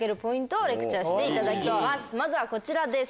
まずはこちらです。